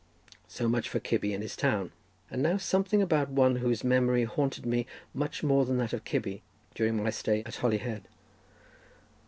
So much for Cybi, and his town! And now something about one whose memory haunted me much more than that of Cybi during my stay at Holyhead.